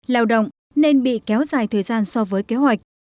lao động nên bị kéo dài thời gian so với kế hoạch